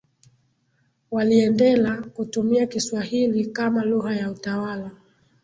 waliendela kutumia Kiswahili kama lugha ya utawala